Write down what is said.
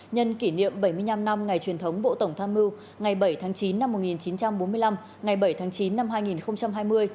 nhân kỷ niệm bảy mươi năm năm ngày truyền thống bộ tổng tham mưu ngày bảy tháng chín năm một nghìn chín trăm bốn mươi năm ngày bảy tháng chín năm hai nghìn hai mươi